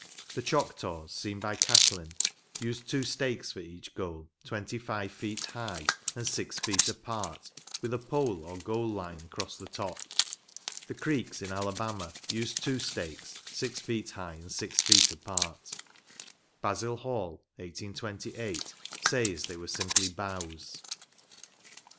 The Choctaws, seen by Catlin, used two stakes for each goal, twenty five feet high, and six feet apart, with a pole or goal line across the top. The Creeks in Alabama used two stakes, six feet high THE ORiaiKAL GAME. 15 and six feet apart. Basil Hall (1828) says they were simply boughs.